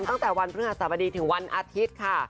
ตั้งแต่วันพฤหัสบดีถึงวันอาทิตย์ค่ะ